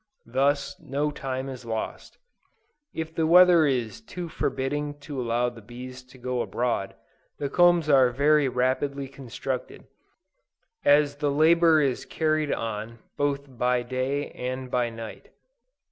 Thus no time is lost. If the weather is too forbidding to allow the bees to go abroad, the combs are very rapidly constructed, as the labor is carried on both by day and by night.